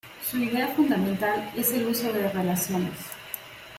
Su idea fundamental es el uso de relaciones.